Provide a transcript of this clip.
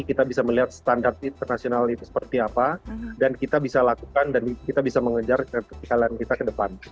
kita bisa melihat standar internasional itu seperti apa dan kita bisa lakukan dan kita bisa mengejar kekalahan kita ke depan